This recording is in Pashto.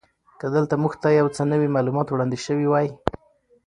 که دلته موږ ته یو څه نوي معلومات وړاندې شوي وی.